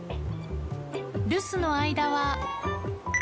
留守の間は。